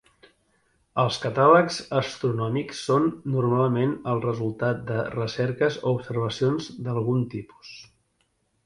Els catàlegs astronòmics són normalment el resultat de recerques o observacions d'algun tipus.